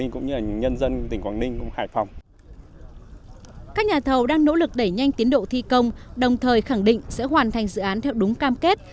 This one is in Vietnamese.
các nhà thầu đang nỗ lực đẩy nhanh tiến độ thi công đồng thời khẳng định sẽ hoàn thành dự án theo đúng cam kết